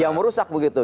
dia yang merusak begitu